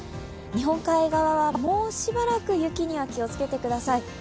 日本海側はもうしばらく雪には気をつけてください。